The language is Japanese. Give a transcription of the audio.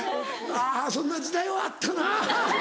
あぁそんな時代はあったな。